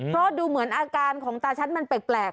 เพราะดูเหมือนอาการของตาฉันมันแปลก